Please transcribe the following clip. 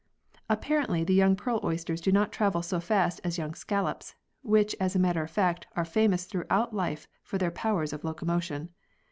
Apparently the young pearl oysters do not travel so fast as young scallops (which as a matter of fact are famous throughout life for their powers of locomotion).